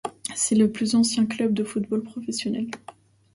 C'est le plus ancien club de football professionnel.